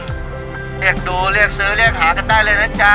เรียกดูเรียกซื้อเรียกหากันได้เลยนะจ๊ะ